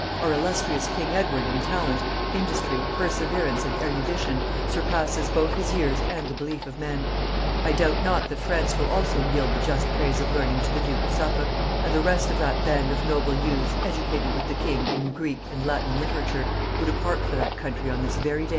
Our illustrious king Edward in talent, industry, perseverance, and erudition, surpasses both his own years and the belief of men.... I doubt not that France will also yield the just praise of learning to the duke of Suffolk and the rest of that band of noble youths educated with the king in Greek and Latin literature, who depart for that country on this very day.